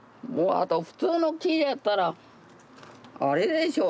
普通の木やったらあれでしょ。